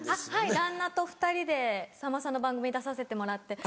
旦那と２人でさんまさんの番組出させてもらって。